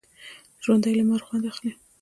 ژوندي له لمر خوند اخلي